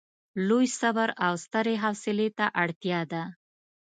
لوی صبر او سترې حوصلې ته اړتیا ده.